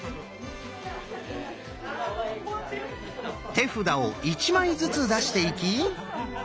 手札を１枚ずつ出していき。